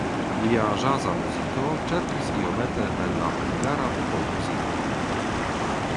Lia ĵaza muziko ĉerpis iomete el la hungara popolmuziko.